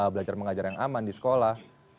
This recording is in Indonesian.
belajar mengajar yang aman di sekolah